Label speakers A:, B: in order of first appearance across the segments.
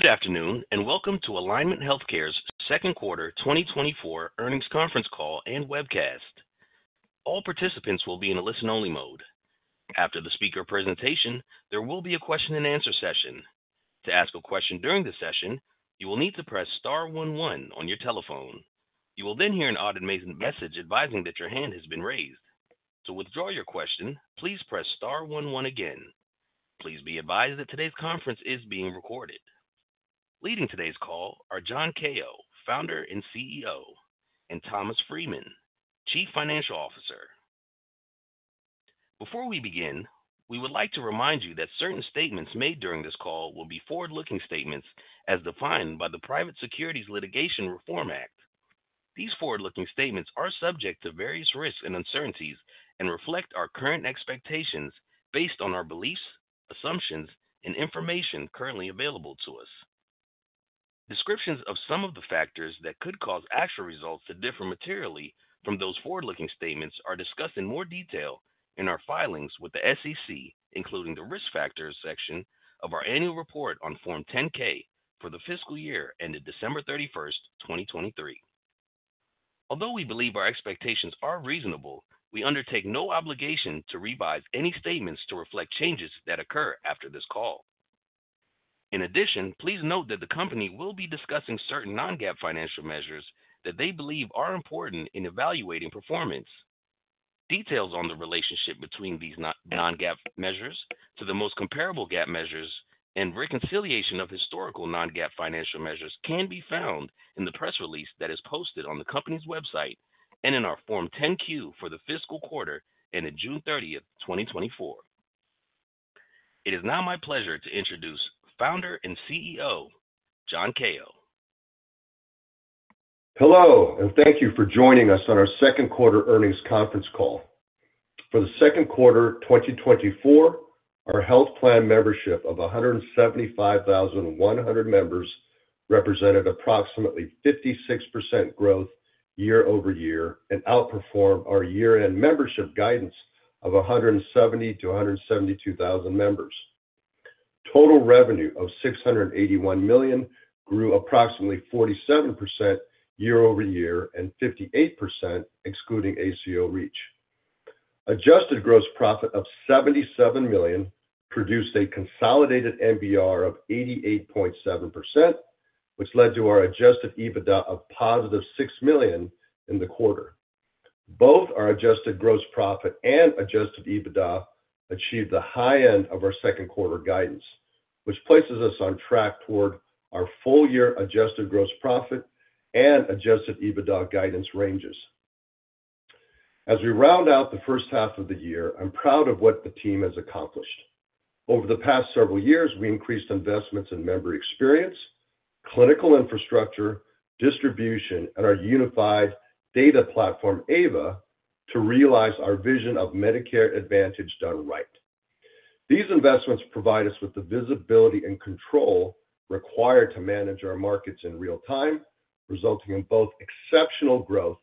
A: Good afternoon, and welcome to Alignment Healthcare's second quarter 2024 earnings conference call and webcast. All participants will be in a listen-only mode. After the speaker presentation, there will be a question-and-answer session. To ask a question during the session, you will need to press star 11 on your telephone. You will then hear an automated message advising that your hand has been raised. To withdraw your question, please press star 11 again. Please be advised that today's conference is being recorded. Leading today's call are John Kao, Founder and CEO, and Thomas Freeman, Chief Financial Officer. Before we begin, we would like to remind you that certain statements made during this call will be forward-looking statements as defined by the Private Securities Litigation Reform Act. These forward-looking statements are subject to various risks and uncertainties and reflect our current expectations based on our beliefs, assumptions, and information currently available to us. Descriptions of some of the factors that could cause actual results to differ materially from those forward-looking statements are discussed in more detail in our filings with the SEC, including the risk factors section of our annual report on Form 10-K for the fiscal year ended December 31st, 2023. Although we believe our expectations are reasonable, we undertake no obligation to revise any statements to reflect changes that occur after this call. In addition, please note that the company will be discussing certain non-GAAP financial measures that they believe are important in evaluating performance. Details on the relationship between these non-GAAP measures to the most comparable GAAP measures and reconciliation of historical non-GAAP financial measures can be found in the press release that is posted on the company's website and in our Form 10-Q for the fiscal quarter ended June 30th, 2024. It is now my pleasure to introduce Founder and CEO John Kao.
B: Hello, and thank you for joining us on our second quarter earnings conference call. For the second quarter 2024, our health plan membership of 175,100 members represented approximately 56% growth year-over-year and outperformed our year-end membership guidance of 170,000-172,000 members. Total revenue of $681 million grew approximately 47% year-over-year and 58% excluding ACO REACH. Adjusted gross profit of $77 million produced a consolidated MBR of 88.7%, which led to our adjusted EBITDA of positive $6 million in the quarter. Both our adjusted gross profit and adjusted EBITDA achieved the high end of our second quarter guidance, which places us on track toward our full-year adjusted gross profit and adjusted EBITDA guidance ranges. As we round out the first half of the year, I'm proud of what the team has accomplished. Over the past several years, we increased investments in member experience, clinical infrastructure, distribution, and our unified data platform, AVA, to realize our vision of Medicare Advantage done right. These investments provide us with the visibility and control required to manage our markets in real time, resulting in both exceptional growth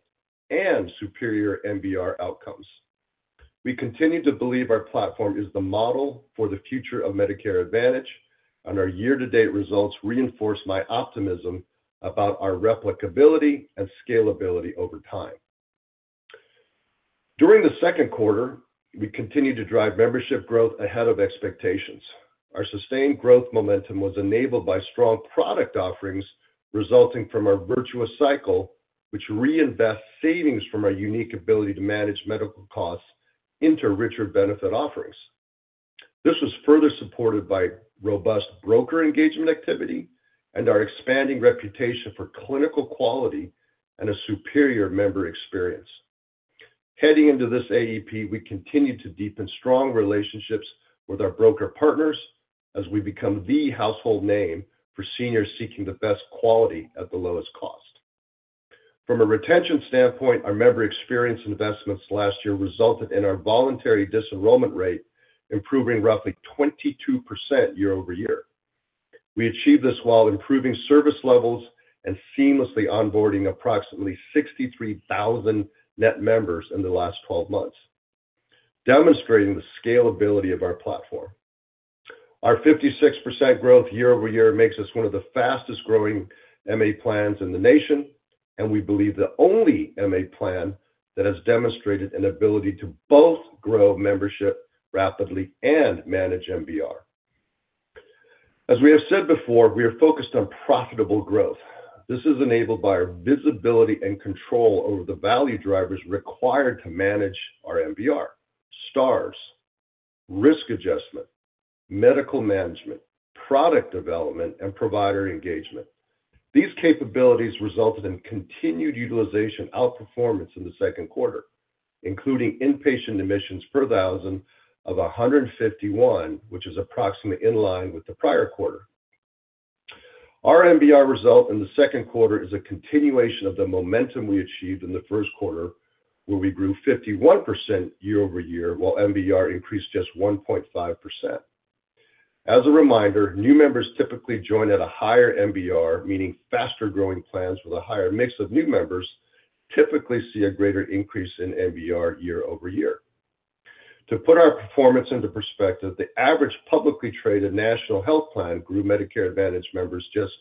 B: and superior MBR outcomes. We continue to believe our platform is the model for the future of Medicare Advantage, and our year-to-date results reinforce my optimism about our replicability and scalability over time. During the second quarter, we continue to drive membership growth ahead of expectations. Our sustained growth momentum was enabled by strong product offerings resulting from our virtuous cycle, which reinvests savings from our unique ability to manage medical costs into richer benefit offerings. This was further supported by robust broker engagement activity and our expanding reputation for clinical quality and a superior member experience. Heading into this AEP, we continue to deepen strong relationships with our broker partners as we become the household name for seniors seeking the best quality at the lowest cost. From a retention standpoint, our member experience investments last year resulted in our voluntary disenrollment rate improving roughly 22% year-over-year. We achieved this while improving service levels and seamlessly onboarding approximately 63,000 net members in the last 12 months, demonstrating the scalability of our platform. Our 56% growth year-over-year makes us one of the fastest-growing MA plans in the nation, and we believe the only MA plan that has demonstrated an ability to both grow membership rapidly and manage MBR. As we have said before, we are focused on profitable growth. This is enabled by our visibility and control over the value drivers required to manage our MBR: stars, risk adjustment, medical management, product development, and provider engagement. These capabilities resulted in continued utilization outperformance in the second quarter, including inpatient admissions per thousand of 151, which is approximately in line with the prior quarter. Our MBR result in the second quarter is a continuation of the momentum we achieved in the first quarter, where we grew 51% year-over-year, while MBR increased just 1.5%. As a reminder, new members typically join at a higher MBR, meaning faster-growing plans with a higher mix of new members typically see a greater increase in MBR year-over-year. To put our performance into perspective, the average publicly traded national health plan grew Medicare Advantage members just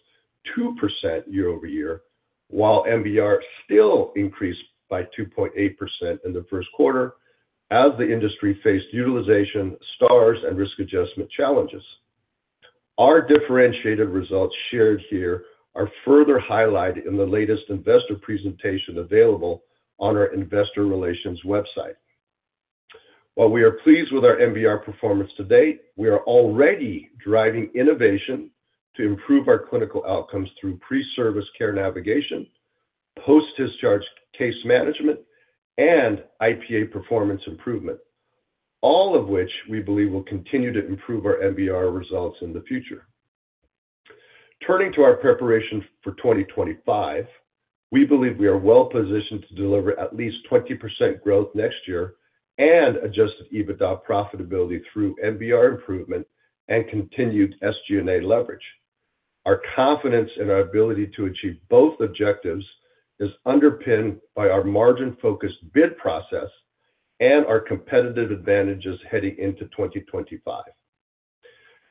B: 2% year-over-year, while MBR still increased by 2.8% in the first quarter as the industry faced utilization, stars, and risk adjustment challenges. Our differentiated results shared here are further highlighted in the latest investor presentation available on our investor relations website. While we are pleased with our MBR performance to date, we are already driving innovation to improve our clinical outcomes through pre-service care navigation, post-discharge case management, and IPA performance improvement, all of which we believe will continue to improve our MBR results in the future. Turning to our preparation for 2025, we believe we are well-positioned to deliver at least 20% growth next year and adjusted EBITDA profitability through MBR improvement and continued SG&A leverage. Our confidence in our ability to achieve both objectives is underpinned by our margin-focused bid process and our competitive advantages heading into 2025.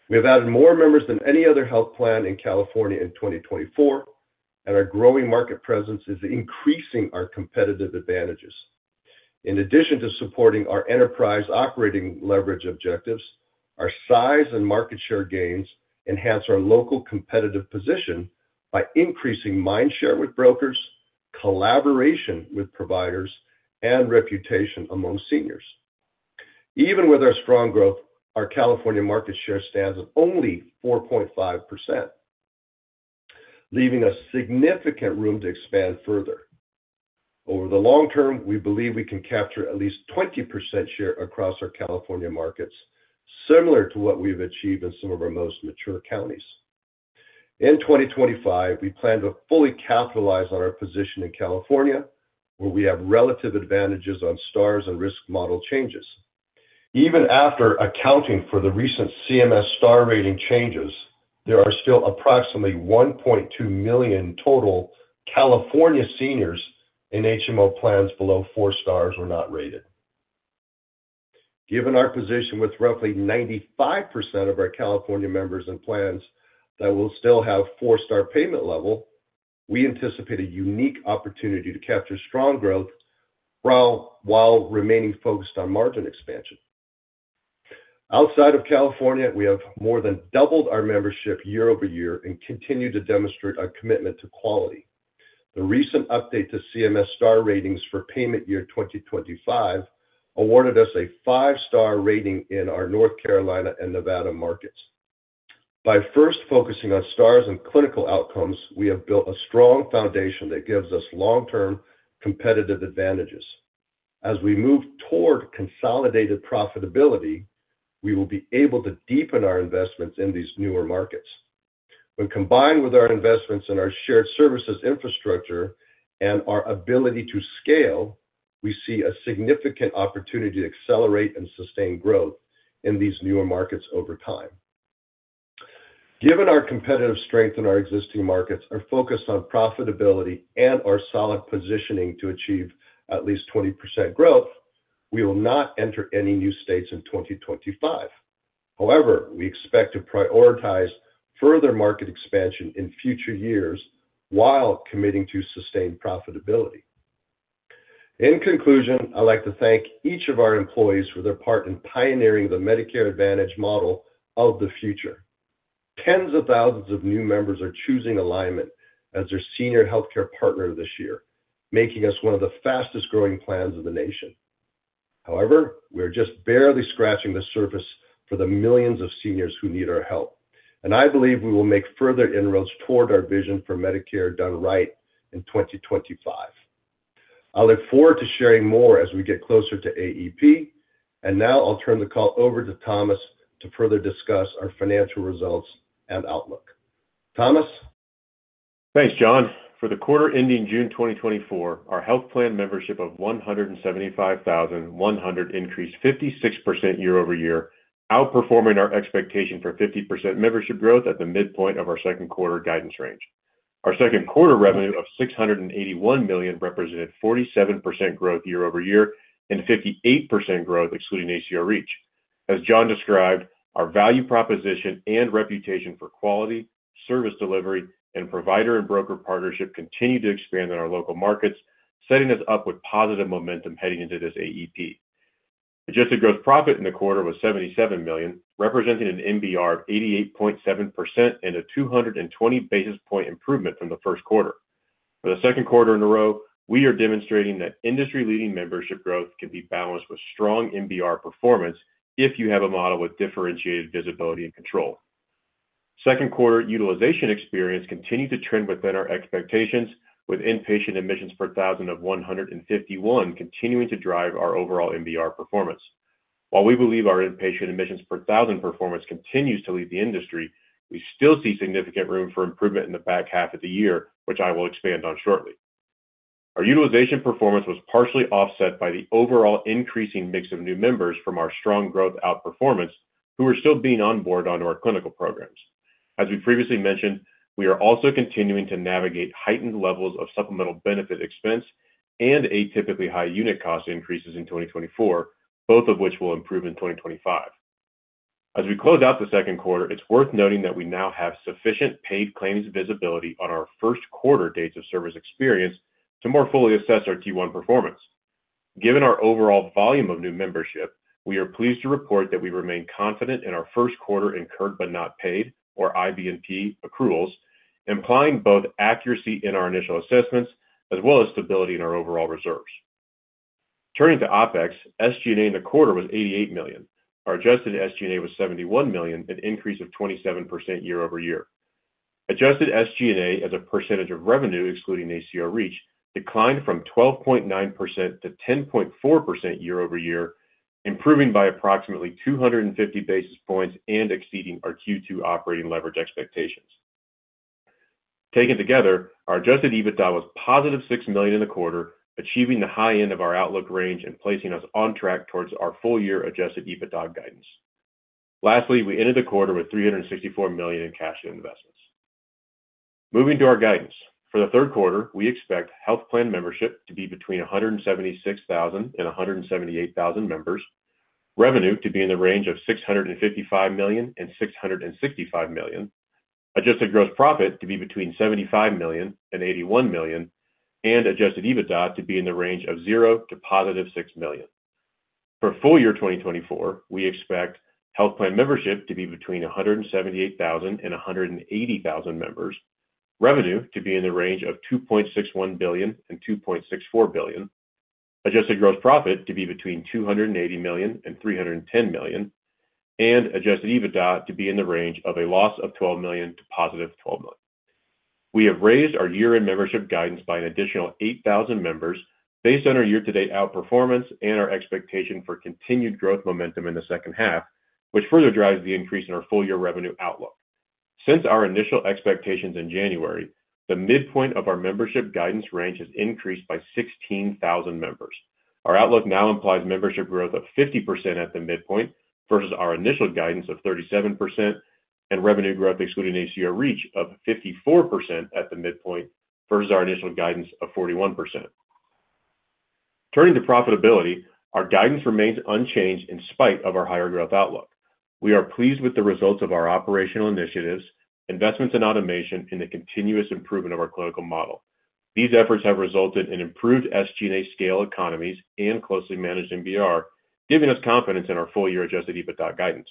B: We have added more members than any other health plan in California in 2024, and our growing market presence is increasing our competitive advantages. In addition to supporting our enterprise operating leverage objectives, our size and market share gains enhance our local competitive position by increasing mindshare with brokers, collaboration with providers, and reputation among seniors. Even with our strong growth, our California market share stands at only 4.5%, leaving us significant room to expand further. Over the long term, we believe we can capture at least 20% share across our California markets, similar to what we've achieved in some of our most mature counties. In 2025, we plan to fully capitalize on our position in California, where we have relative advantages on stars and risk model changes. Even after accounting for the recent CMS star rating changes, there are still approximately 1.2 million total California seniors in HMO plans below four stars or not rated. Given our position with roughly 95% of our California members in plans that will still have four star payment level, we anticipate a unique opportunity to capture strong growth while remaining focused on margin expansion. Outside of California, we have more than doubled our membership year-over-year and continue to demonstrate our commitment to quality. The recent update to CMS star ratings for payment year 2025 awarded us a five-star rating in our North Carolina and Nevada markets. By first focusing on stars and clinical outcomes, we have built a strong foundation that gives us long-term competitive advantages. As we move toward consolidated profitability, we will be able to deepen our investments in these newer markets. When combined with our investments in our shared services infrastructure and our ability to scale, we see a significant opportunity to accelerate and sustain growth in these newer markets over time. Given our competitive strength in our existing markets, our focus on profitability, and our solid positioning to achieve at least 20% growth, we will not enter any new states in 2025. However, we expect to prioritize further market expansion in future years while committing to sustained profitability. In conclusion, I'd like to thank each of our employees for their part in pioneering the Medicare Advantage model of the future. Tens of thousands of new members are choosing Alignment as their senior healthcare partner this year, making us one of the fastest-growing plans in the nation. However, we are just barely scratching the surface for the millions of seniors who need our help, and I believe we will make further inroads toward our vision for Medicare done right in 2025. I look forward to sharing more as we get closer to AEP, and now I'll turn the call over to Thomas to further discuss our financial results and outlook. Thomas.
C: Thanks, John. For the quarter ending June 2024, our health plan membership of 175,100 increased 56% year-over-year, outperforming our expectation for 50% membership growth at the midpoint of our second quarter guidance range. Our second quarter revenue of $681 million represented 47% growth year-over-year and 58% growth excluding ACO REACH. As John described, our value proposition and reputation for quality, service delivery, and provider and broker partnership continue to expand in our local markets, setting us up with positive momentum heading into this AEP. Adjusted gross profit in the quarter was $77 million, representing an MBR of 88.7% and a 220 basis point improvement from the first quarter. For the second quarter in a row, we are demonstrating that industry-leading membership growth can be balanced with strong MBR performance if you have a model with differentiated visibility and control. Second quarter utilization experience continued to trend within our expectations, with inpatient admissions per thousand of 151 continuing to drive our overall MBR performance. While we believe our inpatient admissions per thousand performance continues to lead the industry, we still see significant room for improvement in the back half of the year, which I will expand on shortly. Our utilization performance was partially offset by the overall increasing mix of new members from our strong growth outperformance, who are still being onboarded onto our clinical programs. As we previously mentioned, we are also continuing to navigate heightened levels of supplemental benefit expense and atypically high unit cost increases in 2024, both of which will improve in 2025. As we close out the second quarter, it's worth noting that we now have sufficient paid claims visibility on our first quarter dates of service experience to more fully assess our Q1 performance. Given our overall volume of new membership, we are pleased to report that we remain confident in our first quarter incurred but not paid, or IBNP accruals, implying both accuracy in our initial assessments as well as stability in our overall reserves. Turning to OPEX, SG&A in the quarter was $88 million. Our adjusted SG&A was $71 million, an increase of 27% year-over-year. Adjusted SG&A as a percentage of revenue, excluding ACO REACH, declined from 12.9% to 10.4% year-over-year, improving by approximately 250 basis points and exceeding our Q2 operating leverage expectations. Taken together, our adjusted EBITDA was positive $6 million in the quarter, achieving the high end of our outlook range and placing us on track towards our full-year adjusted EBITDA guidance. Lastly, we ended the quarter with $364 million in cash investments. Moving to our guidance. For the third quarter, we expect health plan membership to be between 176,000 and 178,000 members, revenue to be in the range of $655 million-$665 million, adjusted gross profit to be between $75 million and $81 million, and adjusted EBITDA to be in the range of $0-$6 million. For full year 2024, we expect health plan membership to be between 178,000 and 180,000 members, revenue to be in the range of $2.61 billion-$2.64 billion, adjusted gross profit to be between $280 million and $310 million, and adjusted EBITDA to be in the range of -$12 million to $12 million. We have raised our year-end membership guidance by an additional 8,000 members based on our year-to-date outperformance and our expectation for continued growth momentum in the second half, which further drives the increase in our full-year revenue outlook. Since our initial expectations in January, the midpoint of our membership guidance range has increased by 16,000 members. Our outlook now implies membership growth of 50% at the midpoint versus our initial guidance of 37%, and revenue growth excluding ACO REACH of 54% at the midpoint versus our initial guidance of 41%. Turning to profitability, our guidance remains unchanged in spite of our higher growth outlook. We are pleased with the results of our operational initiatives, investments, and automation in the continuous improvement of our clinical model. These efforts have resulted in improved SG&A scale economies and closely managed MBR, giving us confidence in our full-year Adjusted EBITDA guidance.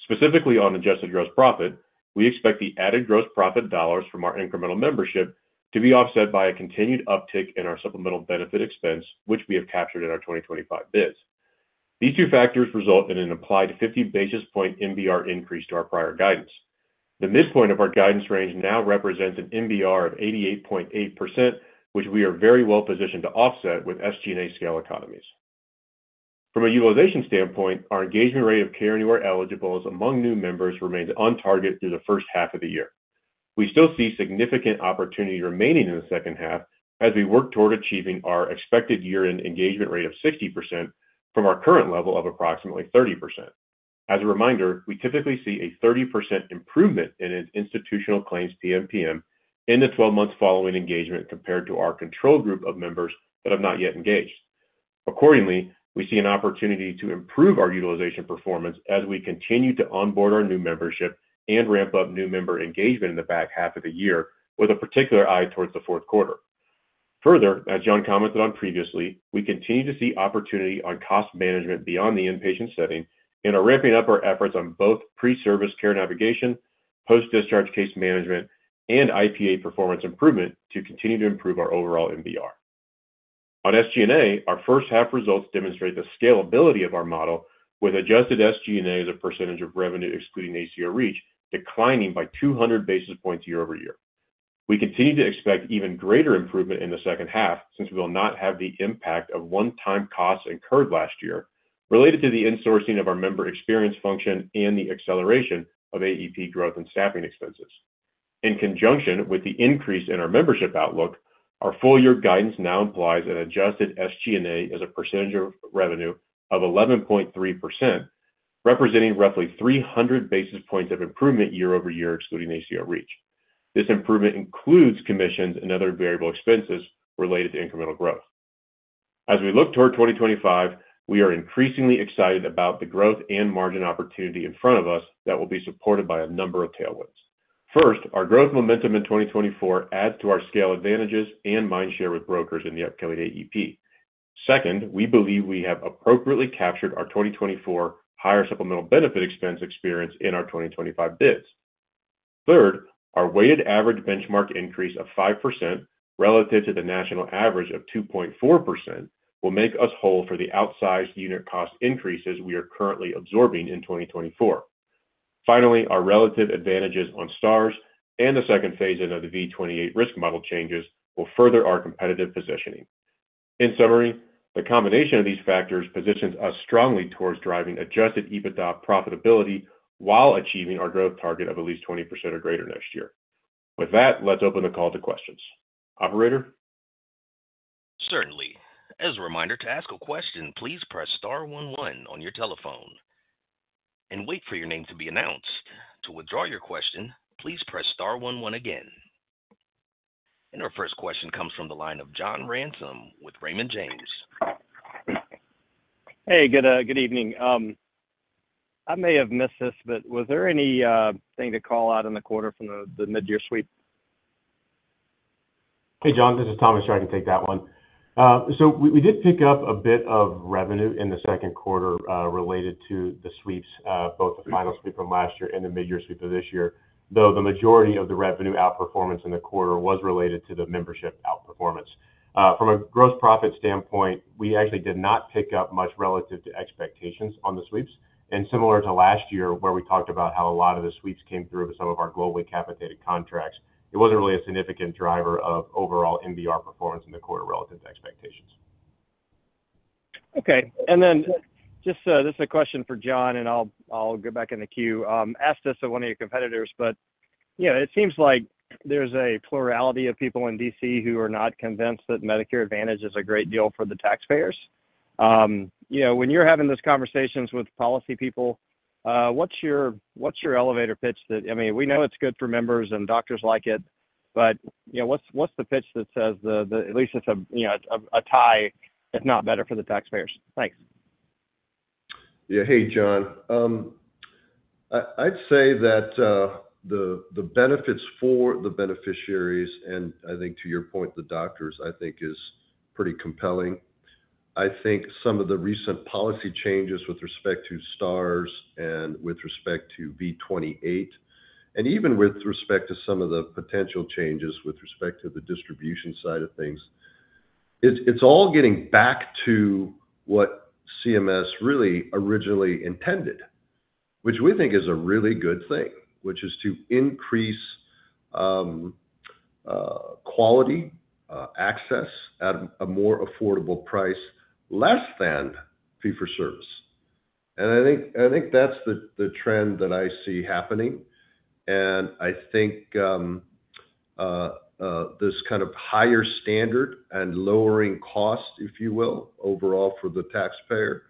C: Specifically on Adjusted Gross Profit, we expect the added gross profit dollars from our incremental membership to be offset by a continued uptick in our supplemental benefit expense, which we have captured in our 2025 bids. These two factors result in an implied 50 basis point MBR increase to our prior guidance. The midpoint of our guidance range now represents an MBR of 88.8%, which we are very well positioned to offset with SG&A scale economies. From a utilization standpoint, our engagement rate of Care Anywhere eligible among new members remains on target through the first half of the year. We still see significant opportunity remaining in the second half as we work toward achieving our expected year-end engagement rate of 60% from our current level of approximately 30%. As a reminder, we typically see a 30% improvement in institutional claims PMPM in the 12 months following engagement compared to our control group of members that have not yet engaged. Accordingly, we see an opportunity to improve our utilization performance as we continue to onboard our new membership and ramp up new member engagement in the back half of the year with a particular eye towards the fourth quarter. Further, as John commented on previously, we continue to see opportunity on cost management beyond the inpatient setting and are ramping up our efforts on both pre-service care navigation, post-discharge case management, and IPA performance improvement to continue to improve our overall MBR. On SG&A, our first half results demonstrate the scalability of our model with adjusted SG&A as a percentage of revenue excluding ACO REACH declining by 200 basis points year-over-year. We continue to expect even greater improvement in the second half since we will not have the impact of one-time costs incurred last year related to the insourcing of our member experience function and the acceleration of AEP growth and staffing expenses. In conjunction with the increase in our membership outlook, our full-year guidance now implies an adjusted SG&A as a percentage of revenue of 11.3%, representing roughly 300 basis points of improvement year-over-year excluding ACO REACH. This improvement includes commissions and other variable expenses related to incremental growth. As we look toward 2025, we are increasingly excited about the growth and margin opportunity in front of us that will be supported by a number of tailwinds. First, our growth momentum in 2024 adds to our scale advantages and mindshare with brokers in the upcoming AEP. Second, we believe we have appropriately captured our 2024 higher supplemental benefit expense experience in our 2025 bids. Third, our weighted average benchmark increase of 5% relative to the national average of 2.4% will make us whole for the outsized unit cost increases we are currently absorbing in 2024. Finally, our relative advantages on stars and the second phase-in of the V28 risk model changes will further our competitive positioning. In summary, the combination of these factors positions us strongly towards driving Adjusted EBITDA profitability while achieving our growth target of at least 20% or greater next year. With that, let's open the call to questions. Operator.
A: Certainly. As a reminder to ask a question, please press star 11 on your telephone and wait for your name to be announced. To withdraw your question, please press star 11 again. Our first question comes from the line of John Ransom with Raymond James.
D: Hey, good evening. I may have missed this, but was there anything to call out in the quarter from the mid-year sweep?
C: Hey, John, this is Thomas. I can take that one. So we did pick up a bit of revenue in the second quarter related to the sweeps, both the final sweep from last year and the mid-year sweep of this year, though the majority of the revenue outperformance in the quarter was related to the membership outperformance. From a gross profit standpoint, we actually did not pick up much relative to expectations on the sweeps. Similar to last year, where we talked about how a lot of the sweeps came through with some of our globally capitated contracts, it wasn't really a significant driver of overall MBR performance in the quarter relative to expectations.
D: Okay. And then just a question for John, and I'll get back in the queue. Asked this of one of your competitors, but it seems like there's a plurality of people in D.C. who are not convinced that Medicare Advantage is a great deal for the taxpayers. When you're having those conversations with policy people, what's your elevator pitch that, I mean, we know it's good for members and doctors like it, but what's the pitch that says at least it's a tie, if not better, for the taxpayers? Thanks.
B: Yeah. Hey, John. I'd say that the benefits for the beneficiaries, and I think to your point, the doctors, I think is pretty compelling. I think some of the recent policy changes with respect to stars and with respect to V28, and even with respect to some of the potential changes with respect to the distribution side of things, it's all getting back to what CMS really originally intended, which we think is a really good thing, which is to increase quality access at a more affordable price, less than fee-for-service. And I think that's the trend that I see happening. And I think this kind of higher standard and lowering cost, if you will, overall for the taxpayer,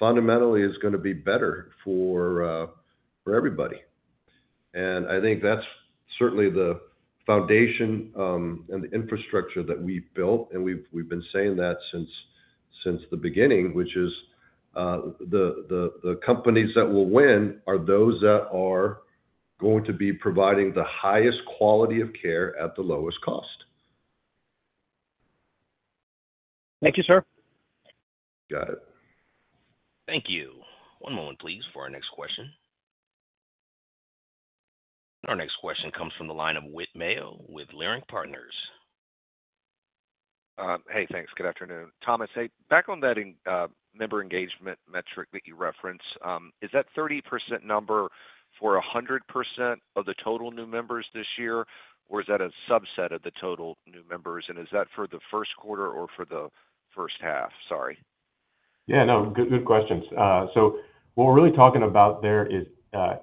B: fundamentally is going to be better for everybody. I think that's certainly the foundation and the infrastructure that we've built, and we've been saying that since the beginning, which is the companies that will win are those that are going to be providing the highest quality of care at the lowest cost.
D: Thank you, sir.
B: Got it.
A: Thank you. One moment, please, for our next question. Our next question comes from the line of Whit Mayo with Leerink Partners.
E: Hey, thanks. Good afternoon. Thomas, hey, back on that member engagement metric that you referenced, is that 30% number for 100% of the total new members this year, or is that a subset of the total new members? And is that for the first quarter or for the first half? Sorry.
C: Yeah, no, good questions. So what we're really talking about there is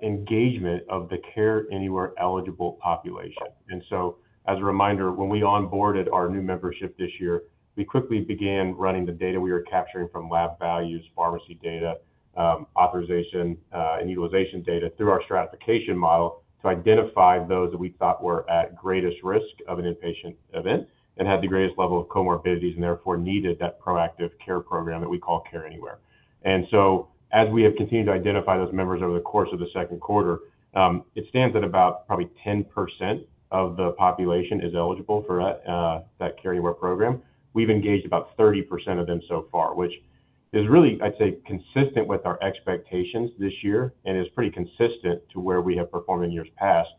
C: engagement of the Care Anywhere eligible population. And so as a reminder, when we onboarded our new membership this year, we quickly began running the data we were capturing from lab values, pharmacy data, authorization, and utilization data through our stratification model to identify those that we thought were at greatest risk of an inpatient event and had the greatest level of comorbidities and therefore needed that proactive care program that we call Care Anywhere. And so as we have continued to identify those members over the course of the second quarter, it stands at about probably 10% of the population is eligible for that Care Anywhere program. We've engaged about 30% of them so far, which is really, I'd say, consistent with our expectations this year and is pretty consistent to where we have performed in years past.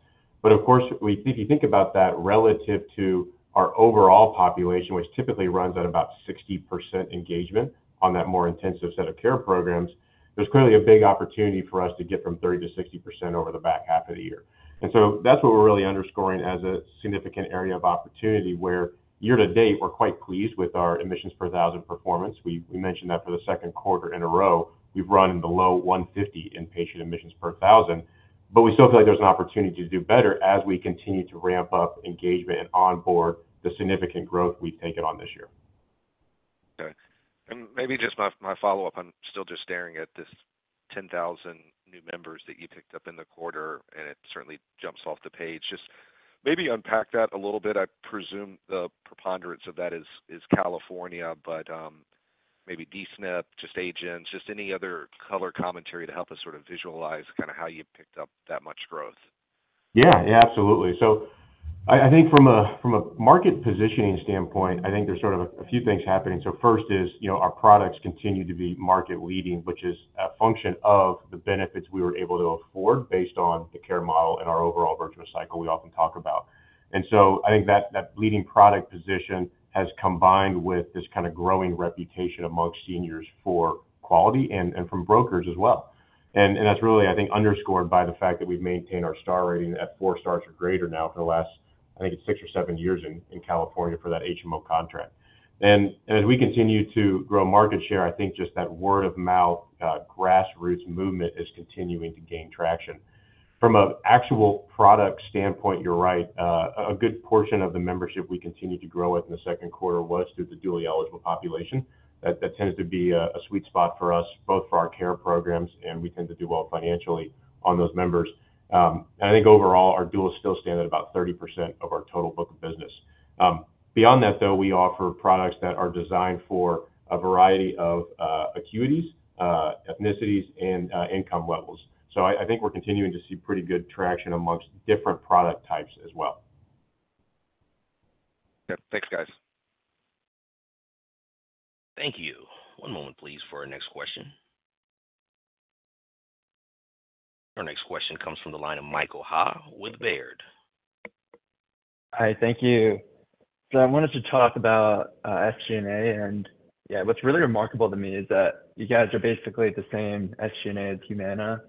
C: But of course, if you think about that relative to our overall population, which typically runs at about 60% engagement on that more intensive set of care programs, there's clearly a big opportunity for us to get from 30%-60% over the back half of the year. And so that's what we're really underscoring as a significant area of opportunity where year to date, we're quite pleased with our admissions per thousand performance. We mentioned that for the second quarter in a row, we've run in the low 150 inpatient admissions per 1,000, but we still feel like there's an opportunity to do better as we continue to ramp up engagement and onboard the significant growth we've taken on this year.
E: Okay. And maybe just my follow-up, I'm still just staring at this 10,000 new members that you picked up in the quarter, and it certainly jumps off the page. Just maybe unpack that a little bit. I presume the preponderance of that is California, but maybe DSNP, just agents, just any other color commentary to help us sort of visualize kind of how you picked up that much growth.
C: Yeah, yeah, absolutely. So I think from a market positioning standpoint, I think there's sort of a few things happening. So first is our products continue to be market-leading, which is a function of the benefits we were able to afford based on the care model and our overall virtuous cycle we often talk about. And so I think that leading product position has combined with this kind of growing reputation amongst seniors for quality and from brokers as well. And that's really, I think, underscored by the fact that we've maintained our star rating at four stars or greater now for the last, I think, it's six or seven years in California for that HMO contract. And as we continue to grow market share, I think just that word-of-mouth grassroots movement is continuing to gain traction. From an actual product standpoint, you're right, a good portion of the membership we continue to grow with in the second quarter was through the dually eligible population. That tends to be a sweet spot for us, both for our care programs, and we tend to do well financially on those members. I think overall, our duals still stand at about 30% of our total book of business. Beyond that, though, we offer products that are designed for a variety of acuities, ethnicities, and income levels. I think we're continuing to see pretty good traction among different product types as well.
E: Okay. Thanks, guys.
A: Thank you. One moment, please, for our next question. Our next question comes from the line of Michael Ha with Baird.
F: Hi, thank you. So I wanted to talk about SG&A. Yeah, what's really remarkable to me is that you guys are basically the same SG&A as Humana,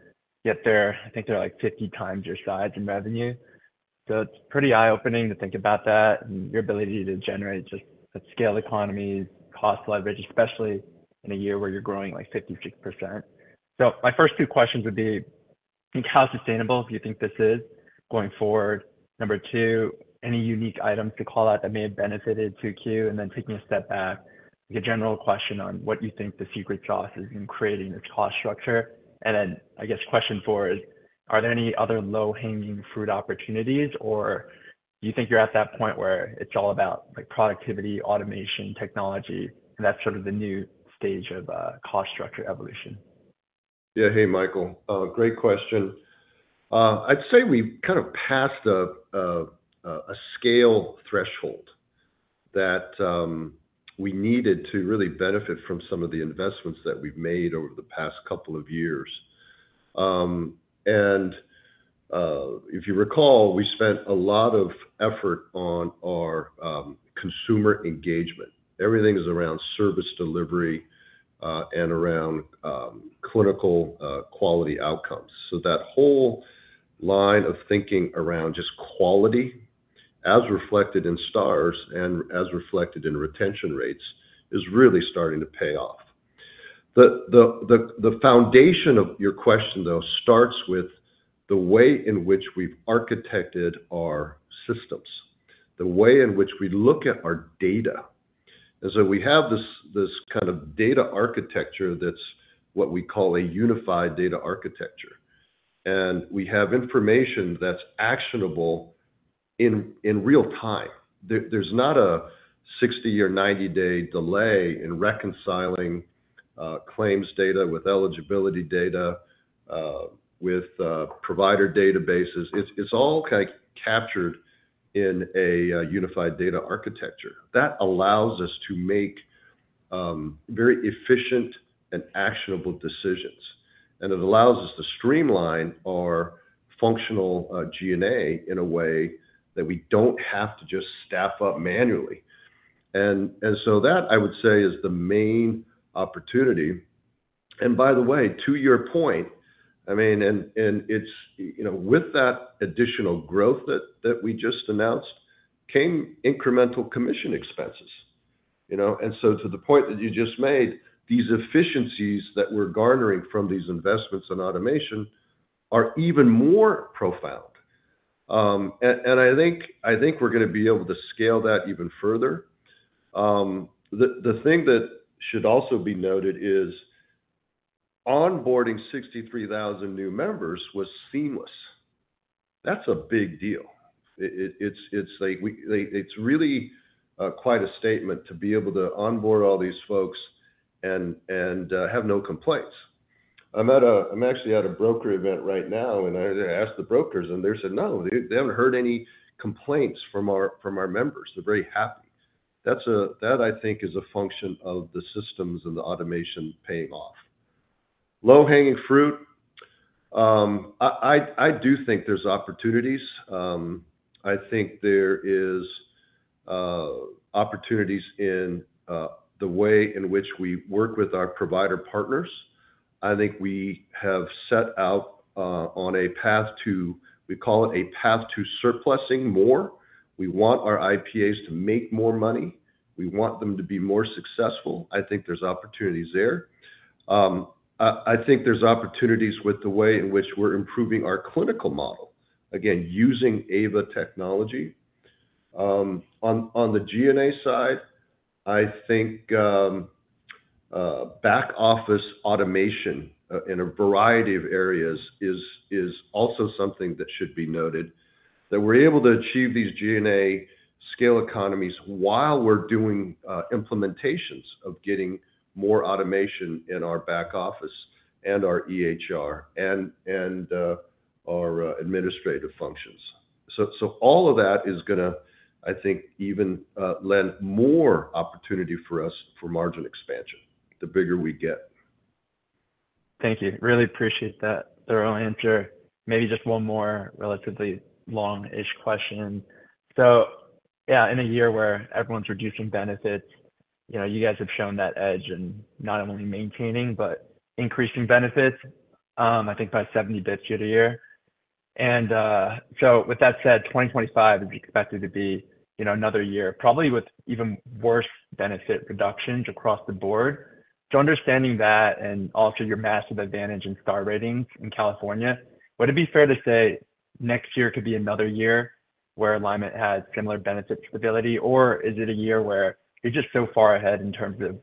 F: yet I think they're like 50 times your size in revenue. It's pretty eye-opening to think about that and your ability to generate just a scale economy, cost leverage, especially in a year where you're growing like 56%. My first two questions would be, I think how sustainable do you think this is going forward? Number two, any unique items to call out that may have benefited 2Q? Then taking a step back, a general question on what you think the secret sauce is in creating this cost structure. I guess question four is, are there any other low-hanging fruit opportunities, or do you think you're at that point where it's all about productivity, automation, technology, and that's sort of the new stage of cost structure evolution?
B: Yeah. Hey, Michael. Great question. I'd say we kind of passed a scale threshold that we needed to really benefit from some of the investments that we've made over the past couple of years. And if you recall, we spent a lot of effort on our consumer engagement. Everything is around service delivery and around clinical quality outcomes. So that whole line of thinking around just quality, as reflected in stars and as reflected in retention rates, is really starting to pay off. The foundation of your question, though, starts with the way in which we've architected our systems, the way in which we look at our data. And so we have this kind of data architecture that's what we call a unified data architecture. And we have information that's actionable in real time. There's not a 60 or 90-day delay in reconciling claims data with eligibility data, with provider databases. It's all kind of captured in a unified data architecture. That allows us to make very efficient and actionable decisions. It allows us to streamline our functional G&A in a way that we don't have to just staff up manually. So that, I would say, is the main opportunity. By the way, to your point, I mean, and with that additional growth that we just announced, came incremental commission expenses. So to the point that you just made, these efficiencies that we're garnering from these investments in automation are even more profound. I think we're going to be able to scale that even further. The thing that should also be noted is onboarding 63,000 new members was seamless. That's a big deal. It's really quite a statement to be able to onboard all these folks and have no complaints. I'm actually at a broker event right now, and I asked the brokers, and they said, "No, they haven't heard any complaints from our members. They're very happy." That, I think, is a function of the systems and the automation paying off. Low-hanging fruit. I do think there's opportunities. I think there are opportunities in the way in which we work with our provider partners. I think we have set out on a path to, we call it a path to surplusing more. We want our IPAs to make more money. We want them to be more successful. I think there's opportunities there. I think there's opportunities with the way in which we're improving our clinical model, again, using AVA technology. On the G&A side, I think back office automation in a variety of areas is also something that should be noted, that we're able to achieve these G&A scale economies while we're doing implementations of getting more automation in our back office and our EHR and our administrative functions. So all of that is going to, I think, even lend more opportunity for us for margin expansion, the bigger we get.
F: Thank you. Really appreciate that thorough answer. Maybe just one more relatively long-ish question. So yeah, in a year where everyone's reducing benefits, you guys have shown that edge in not only maintaining but increasing benefits, I think by 70 bits year to year. And so with that said, 2025 is expected to be another year, probably with even worse benefit reductions across the board. So understanding that and also your massive advantage in star ratings in California, would it be fair to say next year could be another year where Alignment has similar benefit stability, or is it a year where you're just so far ahead in terms of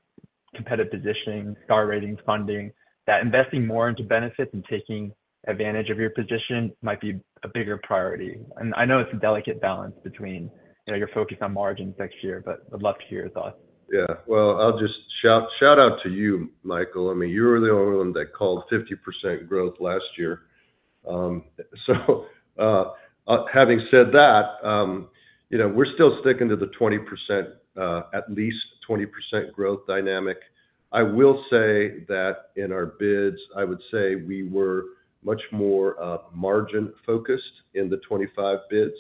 F: competitive positioning, star ratings, funding, that investing more into benefits and taking advantage of your position might be a bigger priority? I know it's a delicate balance between your focus on margins next year, but would love to hear your thoughts.
B: Yeah. Well, I'll just shout out to you, Michael. I mean, you were the only one that called 50% growth last year. So having said that, we're still sticking to the 20%, at least 20% growth dynamic. I will say that in our bids, I would say we were much more margin-focused in the 25 bids.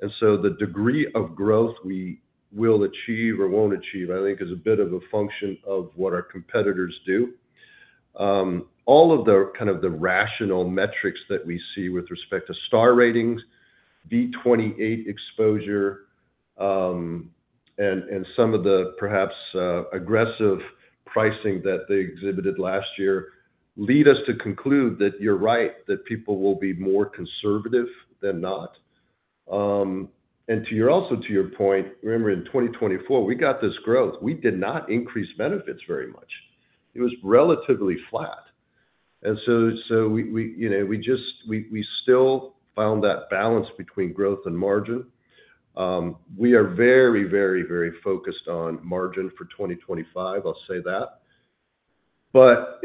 B: And so the degree of growth we will achieve or won't achieve, I think, is a bit of a function of what our competitors do. All of the kind of the rational metrics that we see with respect to star ratings, V28 exposure, and some of the perhaps aggressive pricing that they exhibited last year lead us to conclude that you're right that people will be more conservative than not. And also to your point, remember, in 2024, we got this growth. We did not increase benefits very much. It was relatively flat. And so we still found that balance between growth and margin. We are very, very, very focused on margin for 2025. I'll say that. But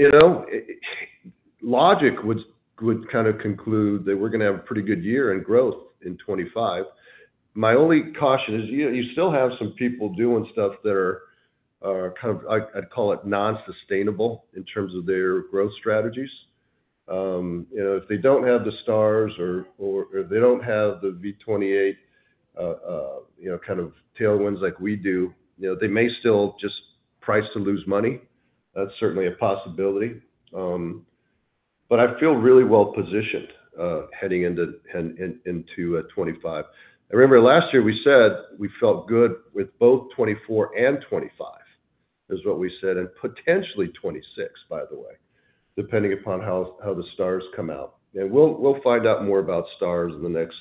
B: logic would kind of conclude that we're going to have a pretty good year in growth in 2025. My only caution is you still have some people doing stuff that are kind of, I'd call it, non-sustainable in terms of their growth strategies. If they don't have the stars or they don't have the V28 kind of tailwinds like we do, they may still just price to lose money. That's certainly a possibility. But I feel really well-positioned heading into 2025. I remember last year we said we felt good with both 2024 and 2025, is what we said, and potentially 2026, by the way, depending upon how the stars come out. And we'll find out more about stars in the next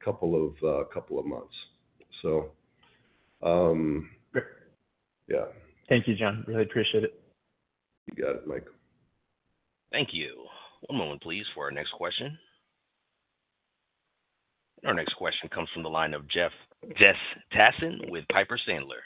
B: couple of months. So.
F: Great.
B: Yeah.
F: Thank you, John. Really appreciate it.
B: You got it, Mike.
A: Thank you. One moment, please, for our next question. Our next question comes from the line of Jess Tassan with Piper Sandler.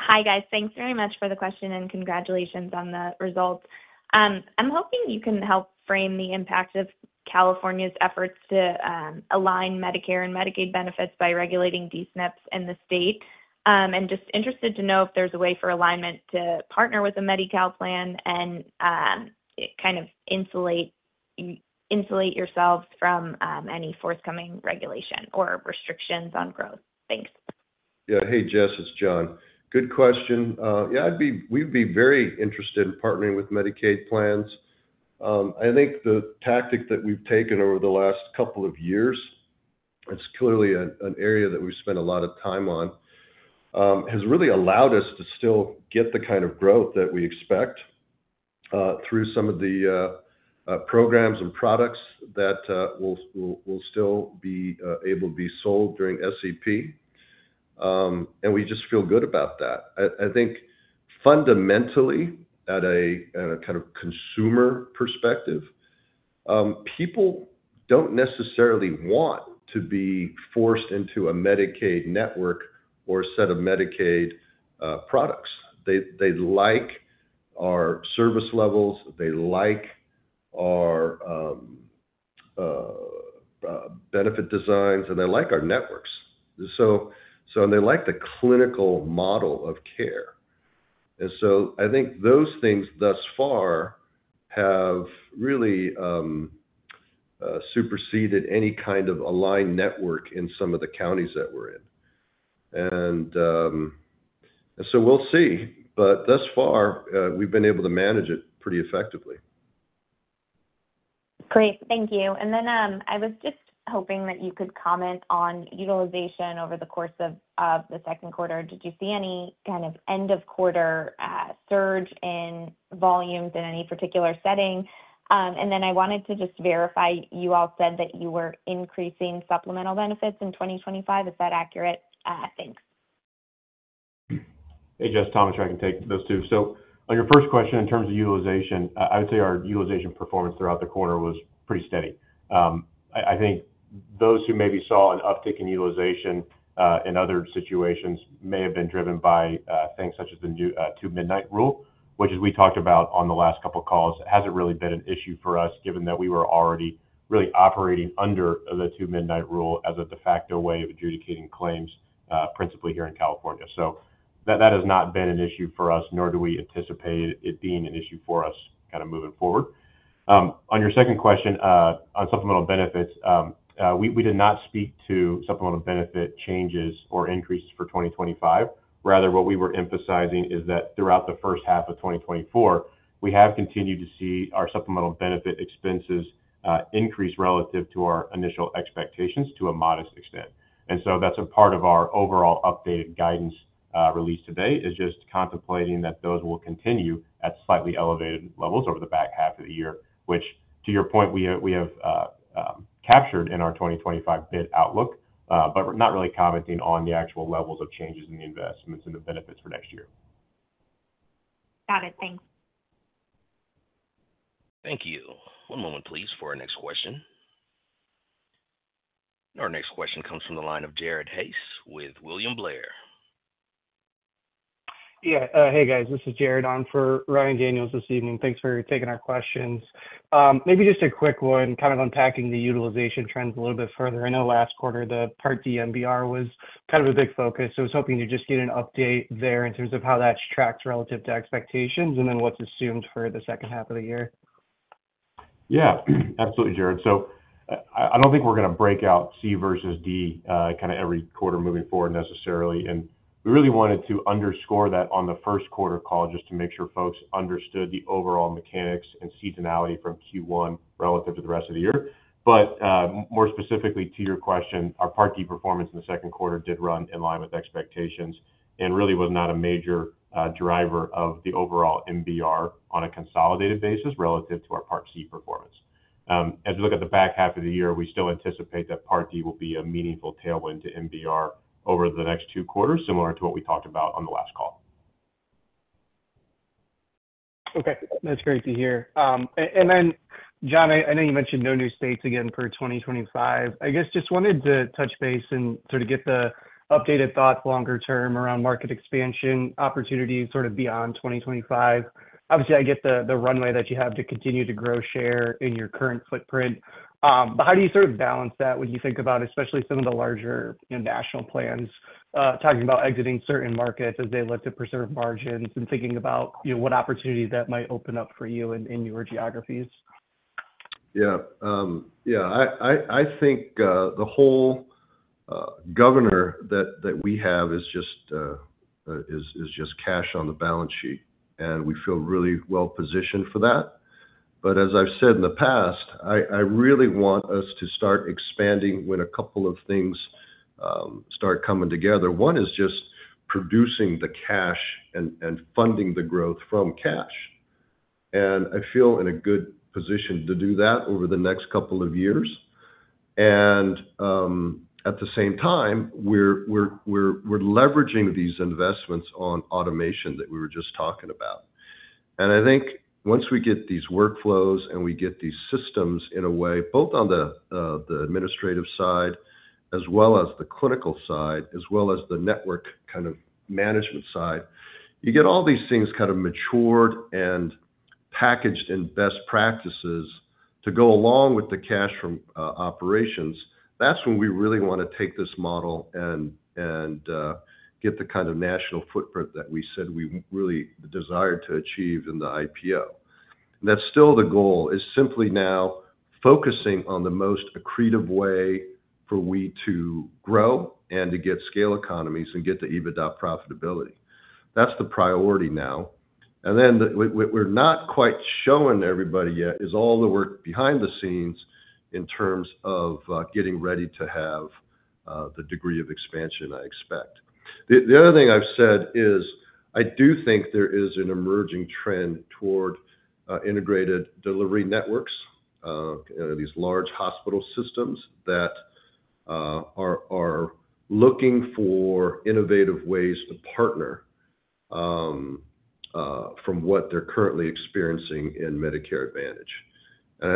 G: Hi, guys. Thanks very much for the question and congratulations on the results. I'm hoping you can help frame the impact of California's efforts to align Medicare and Medicaid benefits by regulating DSNPs in the state. Just interested to know if there's a way for Alignment to partner with a Medi-Cal plan and kind of insulate yourselves from any forthcoming regulation or restrictions on growth. Thanks.
B: Yeah. Hey, Jess, it's John. Good question. Yeah, we'd be very interested in partnering with Medicaid plans. I think the tactic that we've taken over the last couple of years, it's clearly an area that we've spent a lot of time on, has really allowed us to still get the kind of growth that we expect through some of the programs and products that will still be able to be sold during SEP. And we just feel good about that. I think fundamentally, at a kind of consumer perspective, people don't necessarily want to be forced into a Medicaid network or a set of Medicaid products. They like our service levels. They like our benefit designs, and they like our networks. And they like the clinical model of care. And so I think those things thus far have really superseded any kind of Alignment network in some of the counties that we're in. And so we'll see. But thus far, we've been able to manage it pretty effectively.
G: Great. Thank you. And then I was just hoping that you could comment on utilization over the course of the second quarter. Did you see any kind of end-of-quarter surge in volumes in any particular setting? And then I wanted to just verify you all said that you were increasing supplemental benefits in 2025. Is that accurate? Thanks.
C: Hey, Jess, Thomas, I can take those two. So on your first question, in terms of utilization, I would say our utilization performance throughout the quarter was pretty steady. I think those who maybe saw an uptick in utilization in other situations may have been driven by things such as the two-midnight rule, which, as we talked about on the last couple of calls, hasn't really been an issue for us, given that we were already really operating under the two-midnight rule as a de facto way of adjudicating claims principally here in California. So that has not been an issue for us, nor do we anticipate it being an issue for us kind of moving forward. On your second question on supplemental benefits, we did not speak to supplemental benefit changes or increases for 2025. Rather, what we were emphasizing is that throughout the first half of 2024, we have continued to see our supplemental benefit expenses increase relative to our initial expectations to a modest extent. And so that's a part of our overall updated guidance released today, is just contemplating that those will continue at slightly elevated levels over the back half of the year, which, to your point, we have captured in our 2025 bid outlook, but not really commenting on the actual levels of changes in the investments and the benefits for next year.
G: Got it. Thanks.
A: Thank you. One moment, please, for our next question. Our next question comes from the line of Jared Haase with William Blair.
H: Yeah. Hey, guys. This is Jared. I'm for Ryan Daniels this evening. Thanks for taking our questions. Maybe just a quick one, kind of unpacking the utilization trends a little bit further. I know last quarter, the Part D MBR was kind of a big focus. I was hoping to just get an update there in terms of how that's tracked relative to expectations and then what's assumed for the second half of the year.
C: Yeah. Absolutely, Jared. So I don't think we're going to break out C versus D kind of every quarter moving forward necessarily. And we really wanted to underscore that on the first quarter call just to make sure folks understood the overall mechanics and seasonality from Q1 relative to the rest of the year. But more specifically to your question, our Part D performance in the second quarter did run in line with expectations and really was not a major driver of the overall MBR on a consolidated basis relative to our Part C performance. As we look at the back half of the year, we still anticipate that Part D will be a meaningful tailwind to MBR over the next two quarters, similar to what we talked about on the last call.
H: Okay. That's great to hear. And then, John, I know you mentioned no new states again for 2025. I guess just wanted to touch base and sort of get the updated thoughts longer term around market expansion opportunities sort of beyond 2025. Obviously, I get the runway that you have to continue to grow share in your current footprint. But how do you sort of balance that when you think about especially some of the larger national plans, talking about exiting certain markets as they look to preserve margins and thinking about what opportunities that might open up for you in your geographies?
B: Yeah. Yeah. I think the whole governor that we have is just cash on the balance sheet, and we feel really well-positioned for that. But as I've said in the past, I really want us to start expanding when a couple of things start coming together. One is just producing the cash and funding the growth from cash. And I feel in a good position to do that over the next couple of years. And at the same time, we're leveraging these investments on automation that we were just talking about. And I think once we get these workflows and we get these systems in a way, both on the administrative side as well as the clinical side, as well as the network kind of management side, you get all these things kind of matured and packaged in best practices to go along with the cash from operations. That's when we really want to take this model and get the kind of national footprint that we said we really desired to achieve in the IPO. And that's still the goal, is simply now focusing on the most accretive way for we to grow and to get scale economies and get the EBITDA profitability. That's the priority now. And then what we're not quite showing everybody yet is all the work behind the scenes in terms of getting ready to have the degree of expansion I expect. The other thing I've said is I do think there is an emerging trend toward integrated delivery networks, these large hospital systems that are looking for innovative ways to partner from what they're currently experiencing in Medicare Advantage. And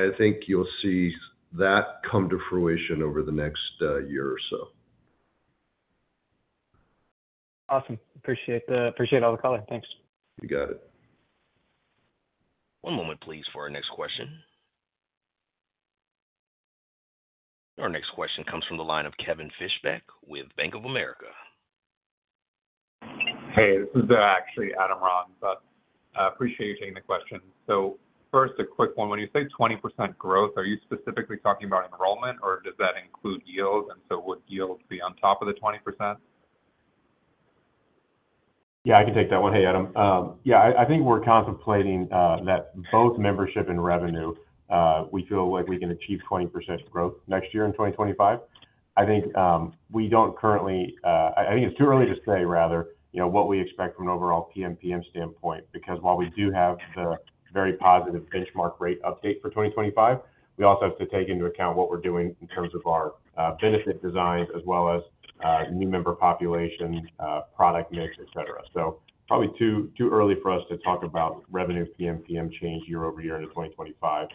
B: I think you'll see that come to fruition over the next year or so.
H: Awesome. Appreciate all the calling. Thanks.
B: You got it.
A: One moment, please, for our next question. Our next question comes from the line of Kevin Fishback with Bank of America.
I: Hey, this is actually Adam Ron, but I appreciate you taking the question. So first, a quick one. When you say 20% growth, are you specifically talking about enrollment, or does that include yield? And so would yield be on top of the 20%?
C: Yeah, I can take that one. Hey, Adam. Yeah, I think we're contemplating that both membership and revenue, we feel like we can achieve 20% growth next year in 2025. I think we don't currently, I think it's too early to say, rather, what we expect from an overall PMPM standpoint, because while we do have the very positive benchmark rate update for 2025, we also have to take into account what we're doing in terms of our benefit designs as well as new member population, product mix, etc. So probably too early for us to talk about revenue PMPM change year-over-year into 2025.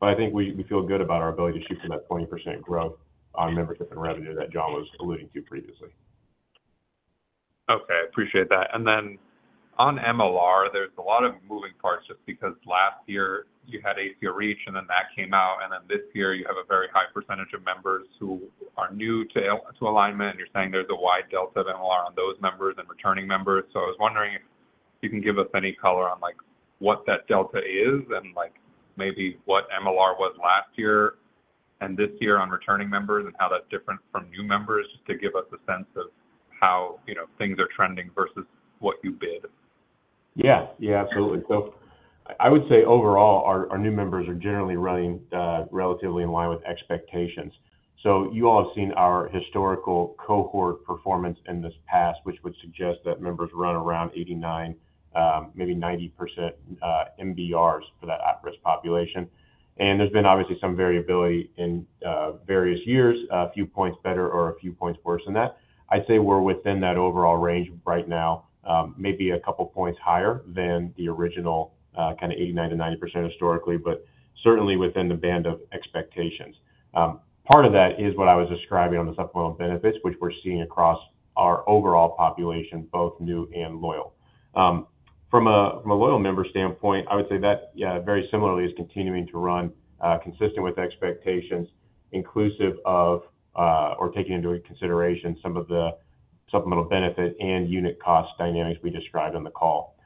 C: But I think we feel good about our ability to shoot for that 20% growth on membership and revenue that John was alluding to previously.
I: Okay. I appreciate that. And then on MLR, there's a lot of moving parts just because last year you had ACO REACH, and then that came out. And then this year, you have a very high percentage of members who are new to Alignment. And you're saying there's a wide delta of MLR on those members and returning members. So I was wondering if you can give us any color on what that delta is and maybe what MLR was last year and this year on returning members and how that's different from new members, just to give us a sense of how things are trending versus what you bid.
C: Yeah. Yeah, absolutely. So I would say overall, our new members are generally running relatively in line with expectations. So you all have seen our historical cohort performance in this past, which would suggest that members run around 89%, maybe 90% MBRs for that at-risk population. And there's been obviously some variability in various years, a few points better or a few points worse than that. I'd say we're within that overall range right now, maybe a couple of points higher than the original kind of 89%-90% historically, but certainly within the band of expectations. Part of that is what I was describing on the supplemental benefits, which we're seeing across our overall population, both new and loyal. From a loyal member standpoint, I would say that very similarly is continuing to run consistent with expectations, inclusive of or taking into consideration some of the supplemental benefit and unit cost dynamics we described on the call.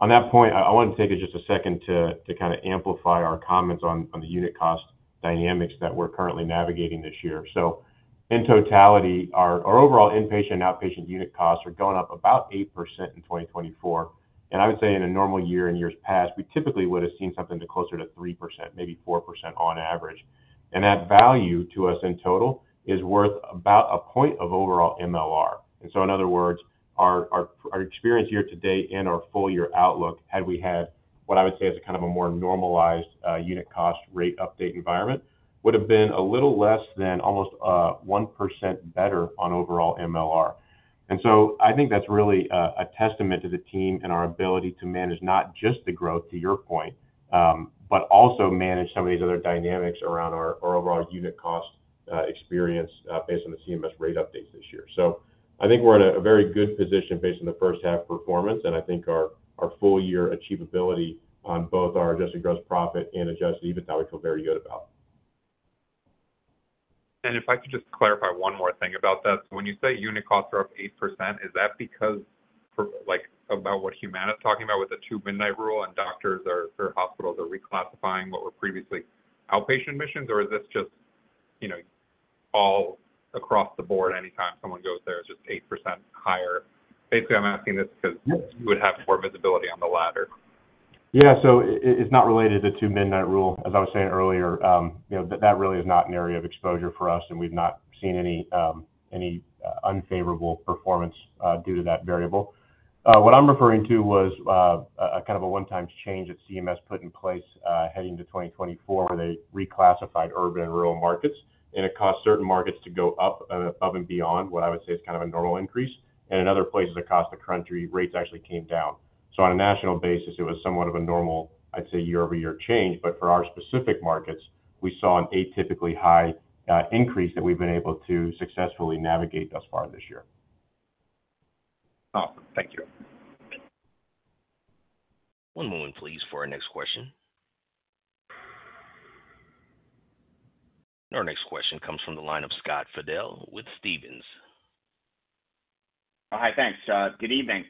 C: On that point, I wanted to take just a second to kind of amplify our comments on the unit cost dynamics that we're currently navigating this year. So in totality, our overall inpatient and outpatient unit costs are going up about 8% in 2024. And I would say in a normal year and years past, we typically would have seen something closer to 3%, maybe 4% on average. And that value to us in total is worth about a point of overall MLR. In other words, our experience year to date and our full year outlook, had we had what I would say is kind of a more normalized unit cost rate update environment, would have been a little less than almost 1% better on overall MLR. I think that's really a testament to the team and our ability to manage not just the growth, to your point, but also manage some of these other dynamics around our overall unit cost experience based on the CMS rate updates this year. I think we're in a very good position based on the first-half performance. I think our full year achievability on both our adjusted gross profit and adjusted EBITDA we feel very good about.
I: If I could just clarify one more thing about that. So when you say unit costs are up 8%, is that because about what Humana is talking about with the two-midnight rule and doctors or hospitals are reclassifying what were previously outpatient admissions, or is this just all across the board anytime someone goes there is just 8% higher? Basically, I'm asking this because you would have more visibility on the latter.
C: Yeah. So it's not related to the Two-Midnight Rule. As I was saying earlier, that really is not an area of exposure for us, and we've not seen any unfavorable performance due to that variable. What I'm referring to was kind of a one-time change that CMS put in place heading into 2024 where they reclassified urban and rural markets. And it caused certain markets to go up and beyond what I would say is kind of a normal increase. And in other places, across the country, rates actually came down. So on a national basis, it was somewhat of a normal, I'd say, year-over-year change. But for our specific markets, we saw an atypically high increase that we've been able to successfully navigate thus far this year.
I: Awesome. Thank you.
A: One moment, please, for our next question. Our next question comes from the line of Scott Fidel with Stephens.
J: Hi, thanks, John. Good evening.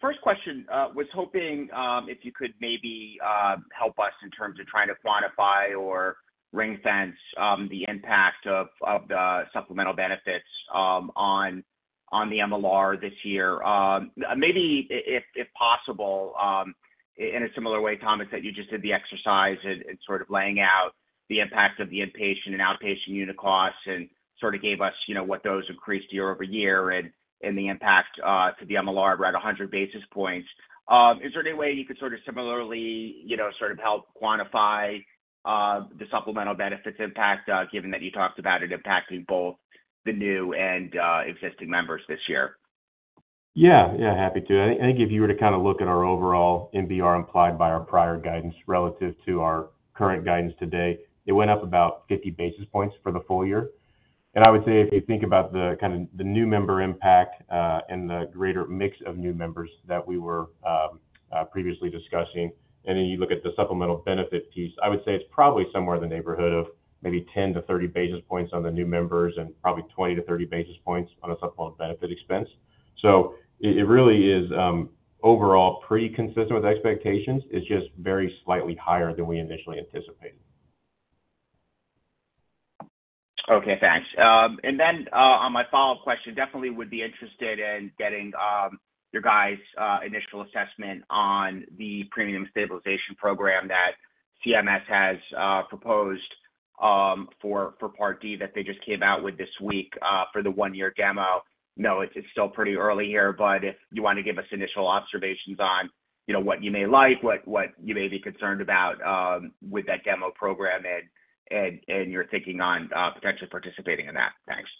J: First question, was hoping if you could maybe help us in terms of trying to quantify or ring-fence the impact of the supplemental benefits on the MLR this year. Maybe if possible, in a similar way, Thomas, that you just did the exercise and sort of laying out the impact of the inpatient and outpatient unit costs and sort of gave us what those increased year-over-year and the impact to the MLR, right, 100 basis points. Is there any way you could sort of similarly sort of help quantify the supplemental benefits impact, given that you talked about it impacting both the new and existing members this year?
C: Yeah. Yeah, happy to. I think if you were to kind of look at our overall MBR implied by our prior guidance relative to our current guidance today, it went up about 50 basis points for the full year. And I would say if you think about the kind of the new member impact and the greater mix of new members that we were previously discussing, and then you look at the supplemental benefit piece, I would say it's probably somewhere in the neighborhood of maybe 10-30 basis points on the new members and probably 20-30 basis points on a supplemental benefit expense. So it really is overall pretty consistent with expectations. It's just very slightly higher than we initially anticipated.
J: Okay. Thanks. And then on my follow-up question, definitely would be interested in getting your guys' initial assessment on the Premium Stabilization Program that CMS has proposed for Part D that they just came out with this week for the one-year demo. I know it's still pretty early here, but if you want to give us initial observations on what you may like, what you may be concerned about with that demo program, and your thinking on potentially participating in that? Thanks.